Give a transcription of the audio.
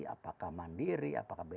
apakah mandiri apakah